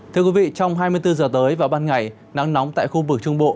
thưa quý vị trong hai mươi bốn h tới vào ban ngày nắng nóng tại khu vực trung bộ